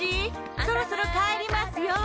そろそろ帰りますよ。